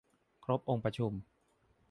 ครบองค์ประชุม